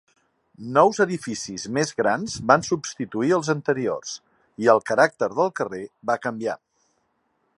Nous edificis més grans van substituir els anteriors i el caràcter del carrer va canviar.